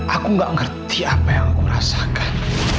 aku gak ngerti apa yang aku rasakan